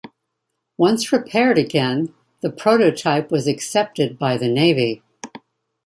Once repaired again, the prototype was accepted by the Navy.